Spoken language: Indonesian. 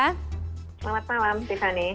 selamat malam tiffany